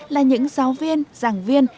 là những giáo viên giảng viên